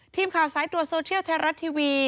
ทีมข่าวสายตรวจโซเทียลไทยรัฐทีวี